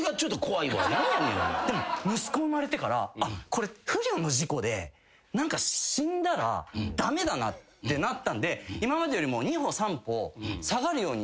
息子生まれてからこれ不慮の事故で死んだら駄目だなってなったんで今までよりも２歩３歩下がるようになって。